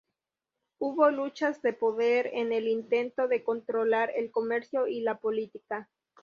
Hubo luchas de poder en el intento de controlar el comercio y la política.